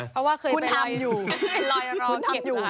เพราะว่าเคยไปลอยลอยลองเก็บ